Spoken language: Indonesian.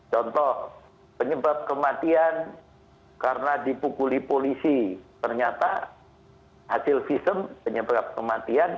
contoh penyebab kematian karena dipukuli polisi ternyata hasil visum penyebab kematian